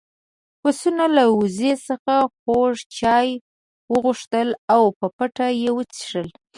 پسونو له وزې څخه خوږ چای وغوښتل او په پټه يې وڅښل.